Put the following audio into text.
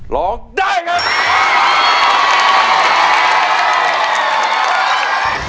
ร้องได้ไง